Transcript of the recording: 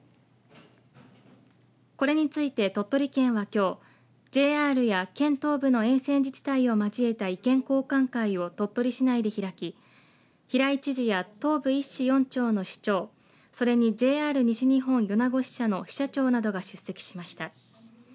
これについて鳥取県は、きょうＪＲや県東部の沿線自治体を交えた意見交換会を鳥取市内で開き平井知事や東部１市４町の首長、それにＪＲ西日本米子支社の支社長などが出席しました。